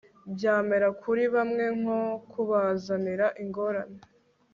byamera kuri bamwe nko kubazanira ingorane